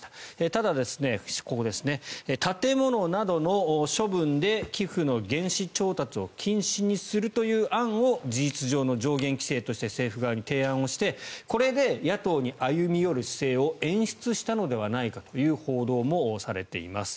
ただ、建物などの処分で寄付の原資調達を禁止にする案を事実上の上限規制として政府側に提案してこれで野党に歩み寄る姿勢を演出したのではないかという報道もされています。